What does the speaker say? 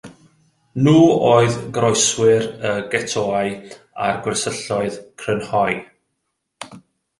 Nhw oedd goroeswyr y getoau a'r gwersylloedd crynhoi.